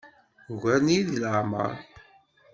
Ugaren-iyi deg leɛmeṛ.